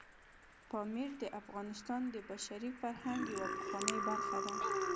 پامیر د افغانستان د بشري فرهنګ یوه پخوانۍ برخه ده.